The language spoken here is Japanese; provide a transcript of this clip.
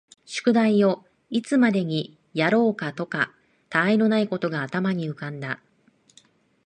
宿題をいつまでにやろうかとか、他愛のないことが頭に浮んだ